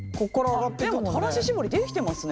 でも垂らし絞りできてますね。